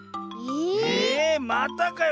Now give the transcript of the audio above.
え⁉またかよ。